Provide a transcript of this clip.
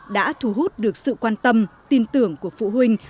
đã thu hút được sự quan tâm tin tưởng của phụ huynh